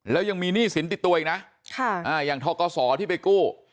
แล้วยังมีหนี้สินติดตัวอีกนะอย่างทกศที่ไปกู้